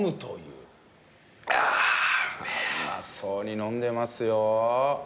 うまそうに飲んでますよ。